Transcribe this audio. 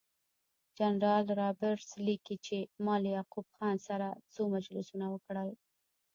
جنرال رابرټس لیکي چې ما له یعقوب خان سره څو مجلسونه وکړل.